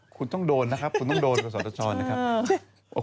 คุณต้องโดนนะครับคุณต้องโดนประสอตชนะครับ